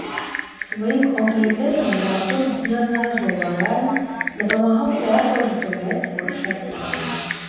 Сваім аўтарытэтам драматург неаднаразова рэальна дапамагаў тэатру ажыццяўляць творчыя планы.